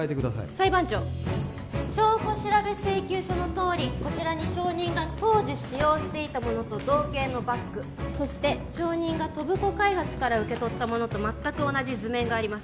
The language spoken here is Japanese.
裁判長証拠調べ請求書のとおりこちらに証人が当時使用していたものと同型のバッグそして証人が戸部子開発から受け取ったものと全く同じ図面があります